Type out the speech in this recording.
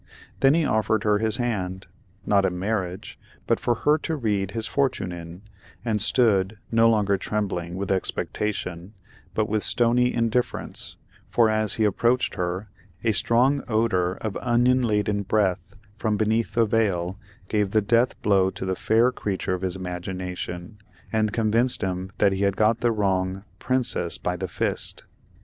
Then he offered her his hand, not in marriage, but for her to read his fortune in, and stood, no longer trembling with expectation, but with stony indifference, for as he approached her, a strong odor of an onion laden breath from beneath the veil, gave the death blow to the fair creature of his imagination, and convinced him that he had got the wrong —— Princess by the fist.